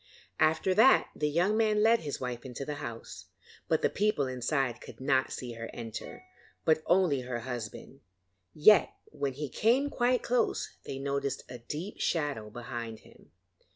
After that the young man led his wife into the house, but the people inside could not see her enter, but only her husband; yet when he came quite close, they noticed a deep shadow behind him.